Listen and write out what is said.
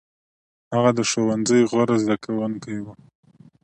هغه د ښوونځي غوره زده کوونکی و.